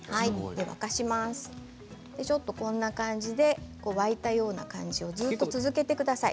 こんな感じで沸いたような感じをずっと続けてください。